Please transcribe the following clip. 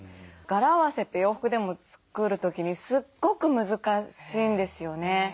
柄合わせって洋服でも作る時にすっごく難しいんですよね。